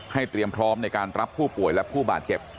เตรียมพร้อมในการรับผู้ป่วยและผู้บาดเจ็บ